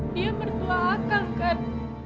dia bertuah akang kan